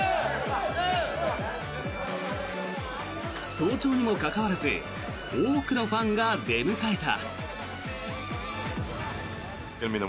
早朝にもかかわらず多くのファンが出迎えた。